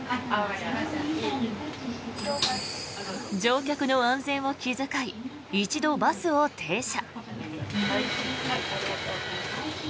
乗客の安全を気遣い一度、バスを停車。